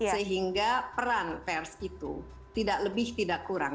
sehingga peran pers itu tidak lebih tidak kurang